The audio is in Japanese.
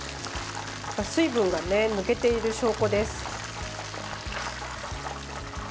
水分が抜けている証拠です。